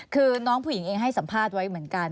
คือน้องผู้หญิงเองให้สัมภาษณ์ไว้เหมือนกัน